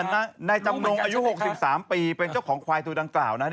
นายจำนงอายุ๖๓ปีเป็นเจ้าของควายตัวดังกล่าวนะ